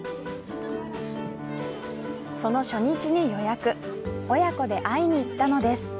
その初日に予約親子で会いに行ったのです。